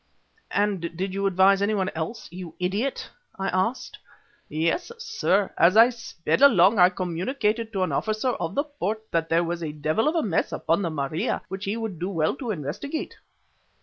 "And did you advise anyone else, you idiot?" I asked. "Yes, sir. As I sped along I communicated to an officer of the port that there was the devil of a mess upon the Maria which he would do well to investigate."